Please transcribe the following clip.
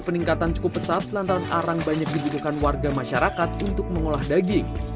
peningkatan cukup pesat lantaran arang banyak dibutuhkan warga masyarakat untuk mengolah daging